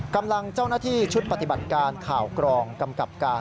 กำลังเจ้าหน้าที่ชุดปฏิบัติการข่าวกรองกำกับการ